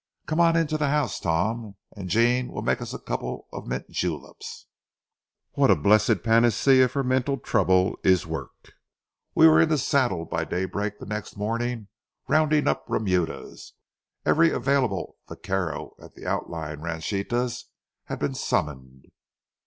Come on into the house, Tom, and Jean will make us a couple of mint juleps." What a blessed panacea for mental trouble is work! We were in the saddle by daybreak the next morning, rounding up remudas. Every available vaquero at the outlying ranchitas had been summoned.